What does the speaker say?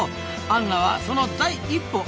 アンナはその第一歩。